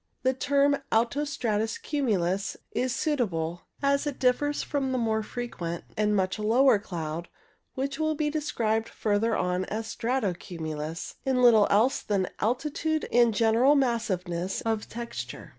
The term "alto strato cumulus " is suitable, as it differs from the more frequent and much lower cloud, which will be described further on as strato cumulus, in little else than altitude and general massiveness of td^^re.